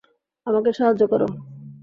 আমাকে সাহায্য কর!